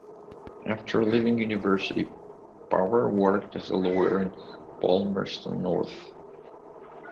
After leaving university, Power worked as a lawyer in Palmerston North.